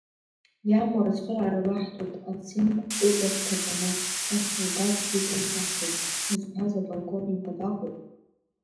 Иамур ацхыраара уаҳҭоит, ацинк кәыба дҭаҵаны, асолдаҭгьы дуцаҳҵоит зҳәаз аполковник дабаҟоу?